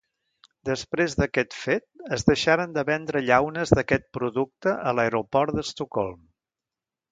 Després d'aquest fet es deixaren de vendre llaunes d'aquest producte a l'aeroport d'Estocolm.